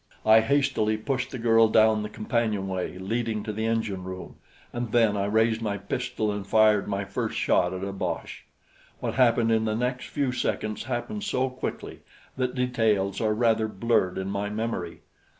I hastily pushed the girl down the companionway leading to the engine room, and then I raised my pistol and fired my first shot at a boche. What happened in the next few seconds happened so quickly that details are rather blurred in my memory.